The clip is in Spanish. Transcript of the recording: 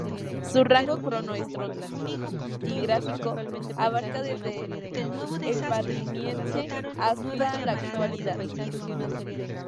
Su rango cronoestratigráfico abarca desde el Barremiense hasta la Actualidad.